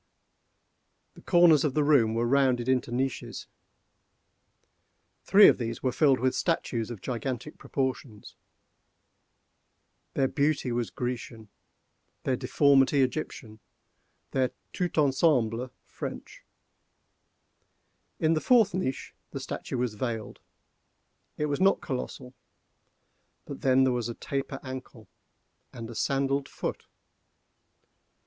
The corners of the room were rounded into niches. Three of these were filled with statues of gigantic proportions. Their beauty was Grecian, their deformity Egyptian, their tout ensemble French. In the fourth niche the statue was veiled; it was not colossal. But then there was a taper ankle, a sandalled foot.